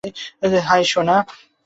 High, সোনা।